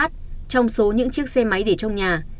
trong số những chiếc xe máy để trong nhà